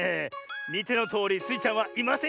みてのとおりスイちゃんはいませんよ。